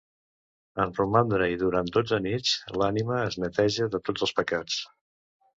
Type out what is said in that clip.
En romandre-hi durant dotze nits, l'ànima es neteja de tots els pecats.